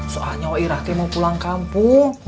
soalnya wairah t mau pulang kampung